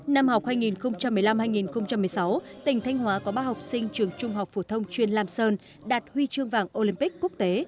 năm học hai nghìn một mươi năm hai nghìn một mươi sáu tỉnh thanh hóa có ba học sinh trường trung học phổ thông chuyên lam sơn đạt huy chương vàng olympic quốc tế